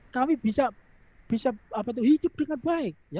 kami bisa hidup dengan baik